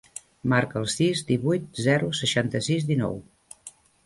Marca el sis, divuit, zero, seixanta-sis, dinou.